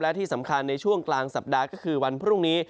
และที่สำคัญในช่วงกลางสัปดาห์ก็คือวันพรุ่งนี้